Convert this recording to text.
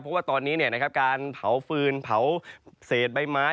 เพราะว่าตอนนี้การเผาฟืนเผาเศษใบไม้